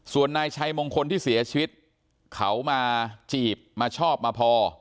ส่วนนายชัยมงคลที่เสียชีวิตเขามาจีบมาชอบมาพอ